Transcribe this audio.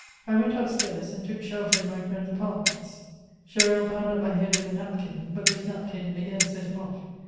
I went up stairs^ and took shelter in my bend's apartments. Gesnl bound up my head with a napkin, but this napkin again set him off.